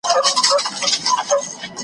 کارکوونکي له قانون سره سم کار کوي.